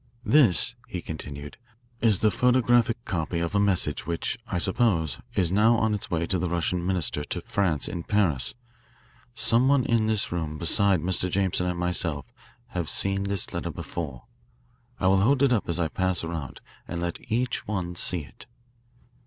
"This," he continued, "is the photographic copy of a message which, I suppose, is now on its way to the Russian minister to France in Paris. Some one in this room besides Mr. Jameson and myself has seen this letter before. I will hold it up as I pass around and let each one see it.